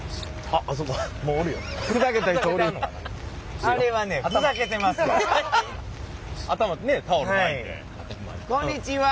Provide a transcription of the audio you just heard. あっこんにちは。